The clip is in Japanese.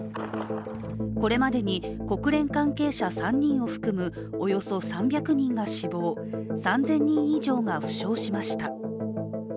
これまでに国連関係者３人を含むおよそ３００人が死亡、３０００人以上が負傷しました。